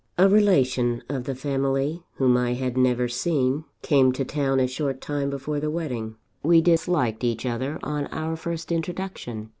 A relation of the family, whom I had never seen, came to town a short time before the wedding. We disliked each other on our first introduction.